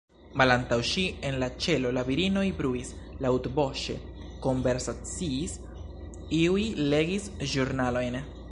Malantaŭ ŝi, en la ĉelo, la virinoj bruis, laŭtvoĉe konversaciis, iuj legis ĵurnalojn.